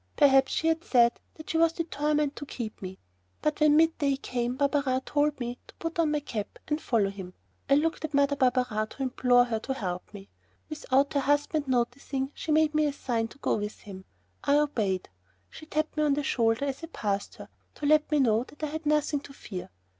Perhaps she had said that she was determined to keep me. But when mid day came Barberin told me to put on my cap and follow him. I looked at Mother Barberin to implore her to help me. Without her husband noticing she made me a sign to go with him. I obeyed. She tapped me on the shoulder as I passed her, to let me know that I had nothing to fear.